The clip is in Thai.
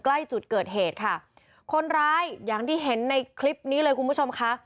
ใกล้จุดเกิดเหตุค่ะคนร้ายอย่างที่เห็นในคลิปนี้เลยคุณผู้ชมค่ะ